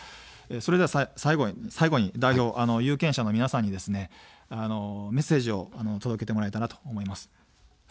それでは最後に代表、有権者の皆さんにメッセージを届けてもらえたらと思います。